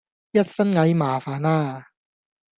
一身蟻麻煩啦